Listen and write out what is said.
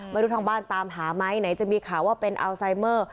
ไม่รู้ทางบ้านตามหาไหมไหนจะมีข่าวว่าเป็นอัลไซเมอร์